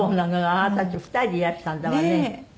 あなたたち２人でいらしたんだわね。